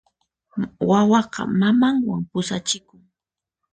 Wawaqa mamanwan pusachikun.